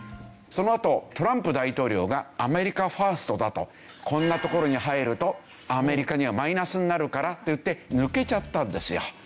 そのあとトランプ大統領がアメリカファーストだとこんなところに入るとアメリカにはマイナスになるからっていって抜けちゃったんですよ。